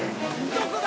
どこだ？